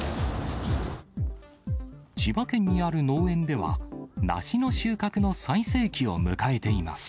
千葉県にある農園では、梨の収穫の最盛期を迎えています。